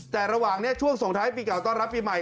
แต่ระหว่างนี้ช่วงส่งท้ายปีเก่าต้อนรับปีใหม่